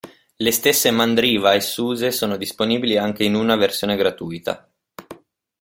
Le stesse Mandriva e Suse sono disponibili anche in una versione gratuita.